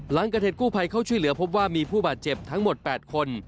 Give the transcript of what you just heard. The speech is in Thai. หลังเกิดเหตุกู้ภัยเข้าช่วยเหลือพบว่ามีผู้บาดเจ็บทั้งหมด๘คน